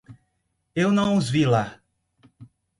Eu não os vi lá.